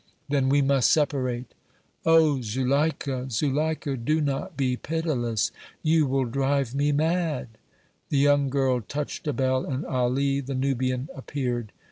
"Then we must separate." "Oh! Zuleika, Zuleika, do not be pitiless! You will drive me mad!" The young girl touched a bell and Ali, the Nubian, appeared.